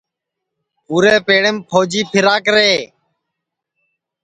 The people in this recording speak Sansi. پُورے پیڑیم پھوجی پھیرا کرے